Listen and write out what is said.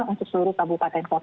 untuk seluruh kabupaten